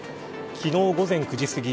昨日午前９時すぎ